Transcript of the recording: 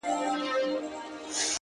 ستا د تصور تصوير كي بيا يوه اوونۍ جگړه،